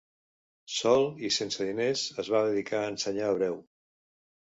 Sòl i sense diners, es va dedicar a ensenyar hebreu.